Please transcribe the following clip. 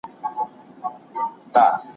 دا بدلونونه د خلګو په پس اندازونو کي پيل سول.